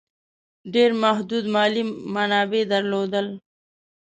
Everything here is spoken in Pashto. ډېر محدود مالي منابع درلودل.